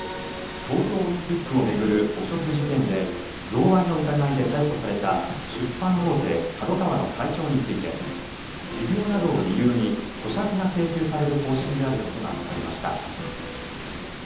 東京オリンピックを巡る汚職事件で贈賄の疑いで逮捕された出版大手ＫＡＤＯＫＡＷＡの会長について持病などを理由に保釈が請求される方針であることがわかりました。